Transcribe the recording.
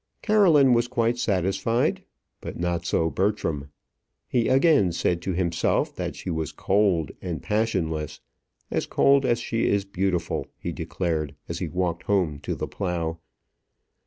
Caroline was quite satisfied; but not so Bertram. He again said to himself that she was cold and passionless; as cold as she is beautiful, he declared as he walked home to the "Plough."